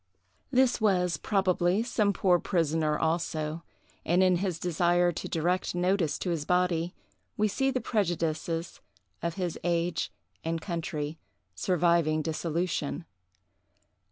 This was, probably, some poor prisoner also; and in his desire to direct notice to his body, we see the prejudices of his age and country surviving dissolution.